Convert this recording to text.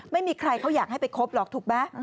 ไม่มีใครเขาอยากให้ไปคบหรอกถูกไหม